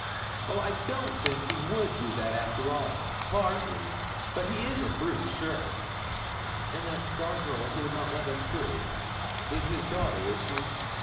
'Well, I don't think he would do that, after all hardly; but he is a brute, sure!' 'And that dark girl who would not let us through, is his daughter, is she?'